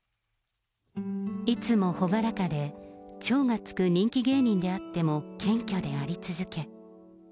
いつも朗らかで、超が付く人気芸人であっても謙虚であり続け。